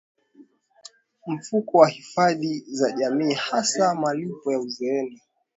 mfuko wa hifadhi za jamii hasa malipo ya uzeeni